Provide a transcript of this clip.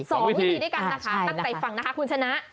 สองวิธีด้วยกันนะคะตั้งใจฟังนะคะคุณชนะ